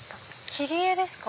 切り絵ですか。